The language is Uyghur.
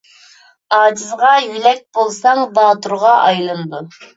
ئاجىزغا يۆلەك بولساڭ، باتۇرغا ئايلىنىدۇ.